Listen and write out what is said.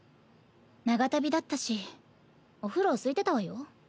長旅だったしお風呂すいてたわよ。